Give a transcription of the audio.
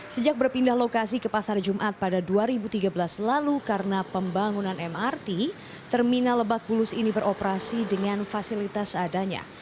sejak berpindah lokasi ke pasar jumat pada dua ribu tiga belas lalu karena pembangunan mrt terminal lebak bulus ini beroperasi dengan fasilitas seadanya